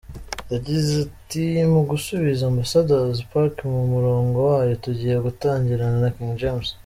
Yagize ati “Mu gusubiza Ambassador’s Park mu murongo wayo tugiye gutangirana na King James.